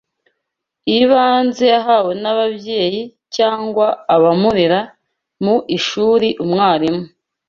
ibanze yahawe n’ababyeyi cyangwa abamurera mu ishuri umwarimu